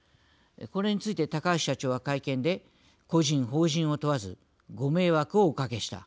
これについて高橋社長は会見で個人法人を問わずご迷惑をおかけした。